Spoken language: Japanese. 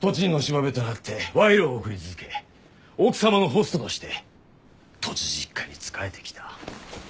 都知事のしもべとなって賄賂を送り続け奥さまのホストとして都知事一家に仕えてきた。